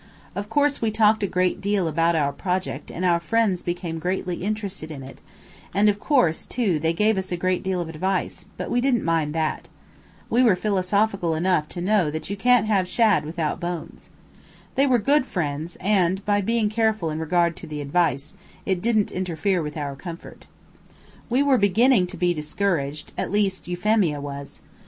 Of course, we talked a great deal about our project and our friends became greatly interested in it, and, of course, too, they gave us a great deal of advice, but we didn't mind that. We were philosophical enough to know that you can't have shad without bones. They were good friends and, by being careful in regard to the advice, it didn't interfere with our comfort. We were beginning to be discouraged, at least Euphemia was.